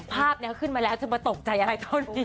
ภาพนี้ขึ้นมาแล้วจะมาตกใจอะไรตอนนี้